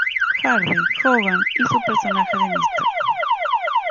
Hardy, Hogan y su personaje de Mr.